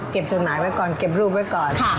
จดหมายไว้ก่อนเก็บรูปไว้ก่อน